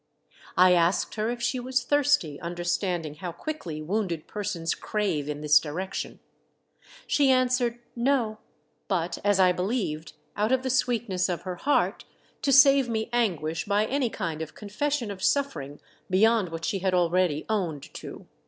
I asked her if she was thirsty, understand ing how quickly wounded persons crave in this direction. She answered "No;" but, as I believed, out of the sweetness of her heart, to save me anguish by any kind of confession of suffering beyond what she had already owned to.